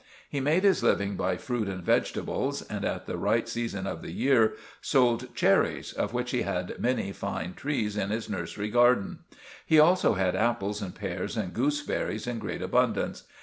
He made his living by fruit and vegetables; and at the right season of the year sold cherries, of which he had many fine trees in his nursery garden. He also had apples and pears and gooseberries in great abundance.